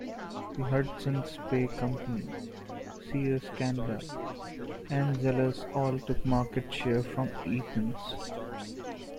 The Hudson's Bay Company, Sears Canada, and Zellers all took market share from Eaton's.